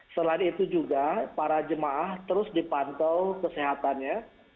selain itu juga para jemaah terus dipantau kesehatannya